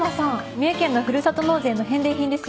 三重県のふるさと納税の返礼品ですよ。